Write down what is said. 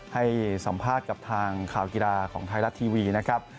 ให้สัมภาษณ์กับทางข่าวกีฬาของไทยรัฐทีวีนะครับ